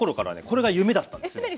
これが夢だったんですね。